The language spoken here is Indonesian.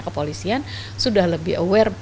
kepolisian sudah lebih aware